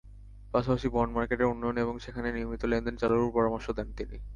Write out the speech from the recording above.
পাশাপাশি বন্ড মার্কেটের উন্নয়ন এবং সেখানে নিয়মিত লেনদেন চালুরও পরামর্শ দেন তিনি।